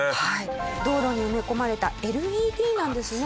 道路に埋め込まれたＬＥＤなんですね。